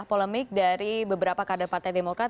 polemik dari beberapa kader partai demokrat